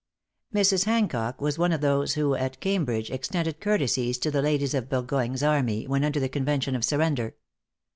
|Mrs. Hancock was one of those, who, at Cambridge, extended courtesies to the ladies of Bur goyne's army, when under the convention of surrender.